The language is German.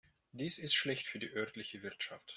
Dies ist schlecht für die örtliche Wirtschaft.